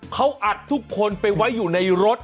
เขาอัดทุกคนไปไว้อยู่ในรถ